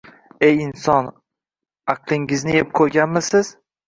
Ey inson, aqlingizni yeb qoʻyganmisiz